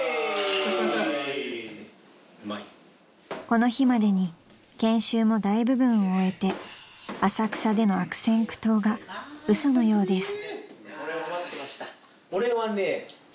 ［この日までに研修も大部分を終えて浅草での悪戦苦闘が嘘のようです］